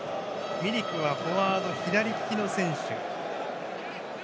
ミリクはフォワード左利きの選手。